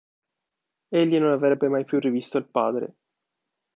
Egli non avrebbe mai più rivisto il padre.